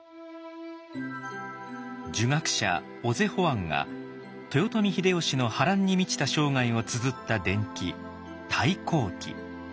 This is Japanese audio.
儒学者小瀬甫庵が豊臣秀吉の波乱に満ちた生涯をつづった伝記「太閤記」。